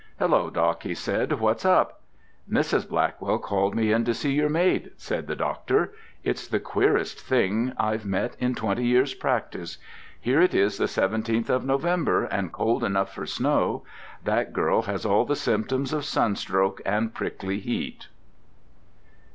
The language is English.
"Hello, doc," he said, "what's up?" "Mrs. Blackwell called me in to see your maid," said the doctor. "It's the queerest thing I've met in twenty years' practice. Here it is the 17th of November, and cold enough for snow. That girl has all the symptoms of sunstroke and prickly heat."